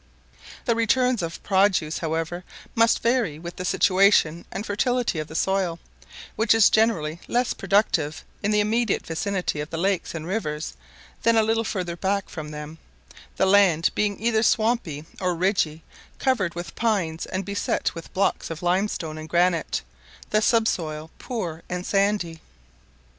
The returns of produce, however, must vary with the situation and fertility of the soil, which is generally less productive in the immediate vicinity of the lakes and rivers than a little further back from them, the land being either swampy or ridgy, covered with pines and beset with blocks of limestone and granite, the sub soil poor and sandy.